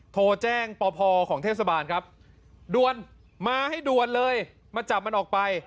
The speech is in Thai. โทรแจ้งปพของเทศบาลครับด่วนมาให้ด่วนเลยมาจับมันออกไป